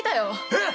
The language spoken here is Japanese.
えっ！？